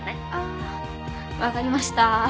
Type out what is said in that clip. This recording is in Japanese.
あ分かりました。